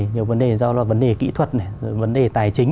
nhiều vấn đề do là vấn đề kỹ thuật vấn đề tài chính